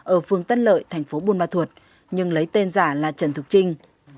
ở phường tân lợi thành phố bông ma thuột nhưng lấy tên giả là trần thục trinh